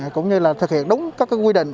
cũng như là thực hiện đúng các quy định